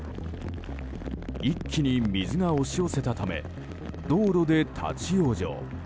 一気に水が押し寄せたため道路で立ち往生。